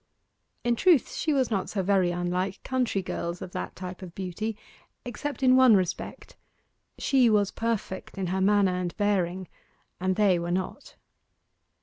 In truth she was not so very unlike country girls of that type of beauty, except in one respect. She was perfect in her manner and bearing, and they were not.